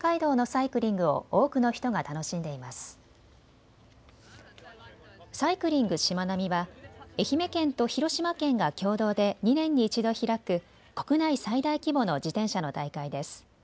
サイクリングしまなみは愛媛県と広島県が共同で２年に１度開く国内最大規模の自転車の大会です。